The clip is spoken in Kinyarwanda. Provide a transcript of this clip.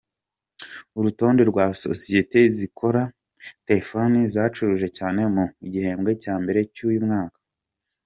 Urutonde rwa sosiyete zikora telefoni zacuruje cyane mu gihembwe cya mbere cy’uyu mwaka .